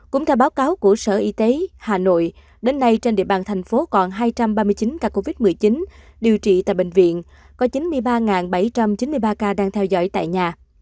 cũng theo báo cáo của sở y tế hà nội đến nay trên địa bàn thành phố còn hai trăm ba mươi chín ca covid một mươi chín điều trị tại bệnh viện có chín mươi ba bảy trăm chín mươi ba ca đang theo dõi tại nhà